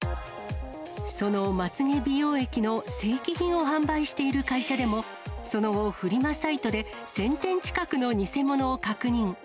そのまつ毛美容液の正規品を販売している会社でも、その後、フリマサイトで１０００点近くの偽物を確認。